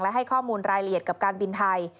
และให้ข้อมูลรายละเอียดกับการบินไทย